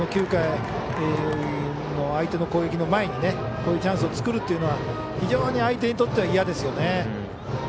９回の相手の攻撃の前にこういうチャンスを作るというのは非常に相手にとっては嫌ですよね。